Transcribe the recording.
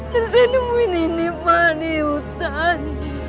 dan saya nemuin ini pak di hutan